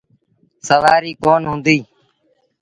سُوآريٚ ڪونا هُݩديٚ۔